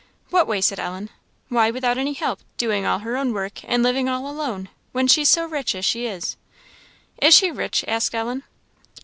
"What way?" said Ellen. "Why, without any help doing all her own work, and living all alone, when she's so rich as she is." "Is she rich?" asked Ellen.